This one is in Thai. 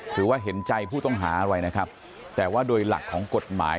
เห็นใจผู้ต้องหาอะไรนะครับแต่ว่าโดยหลักของกฎหมาย